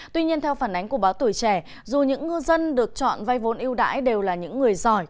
tuy nhiên theo phản ánh của báo tuổi trẻ dù những ngư dân được chọn vay vốn yêu đãi đều là những người giỏi